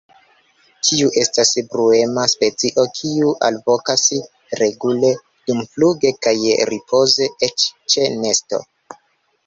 Tiu estas bruema specio, kiu alvokas regule dumfluge kaj ripoze, eĉ ĉe nesto.